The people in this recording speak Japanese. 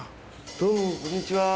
どうもこんにちは。